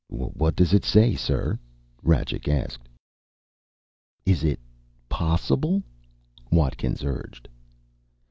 "What does it say, sir?" Rajcik asked. "Is it possible?" Watkins urged.